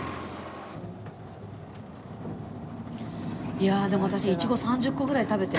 いやでも私イチゴ３０個ぐらい食べたよ